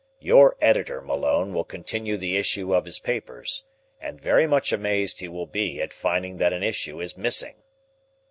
Your editor, Malone, will continue the issue of his papers, and very much amazed he will be at finding that an issue is missing.